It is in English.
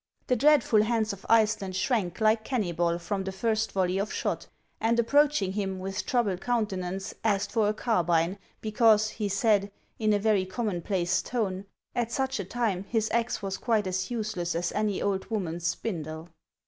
The dreadful Hans of Iceland shrank like Kennybol from the first volley of shot, and approaching him, with troubled HANS OF ICELAND. 397 countenance asked for a carbine, because, he said, in a very commonplace tone, at such a time his axe was quite as useless as any old woman's spindle.